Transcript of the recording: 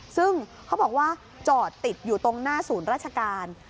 ซึ่งเขาบอกว่าจอดติดอยู่ตรงหน้าศูนย์ราชการ